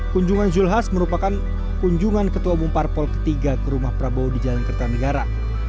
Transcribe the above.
kunjungan julhas merupakan kunjungan ketua bumpar pol ketiga ke rumah prabowo di jalan kertanegara